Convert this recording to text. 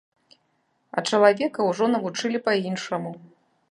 А чалавека ўжо навучылі па-іншаму.